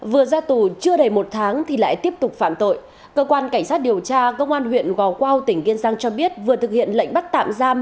vừa ra tù chưa đầy một tháng thì lại tiếp tục phạm tội cơ quan cảnh sát điều tra công an huyện gò quao tỉnh kiên giang cho biết vừa thực hiện lệnh bắt tạm giam